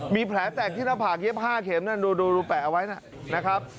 มีแผลแตกที่หน้าผากเย็บ๕เข็มนั่นดูแปะเอาไว้นะครับ